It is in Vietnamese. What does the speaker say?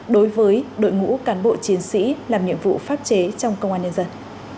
đối với đội ngũ cán bộ chiến sĩ làm nhiệm vụ pháp chế trong công an nhân dân